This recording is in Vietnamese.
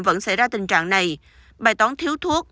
vẫn xảy ra tình trạng này bài tón thiếu thuốc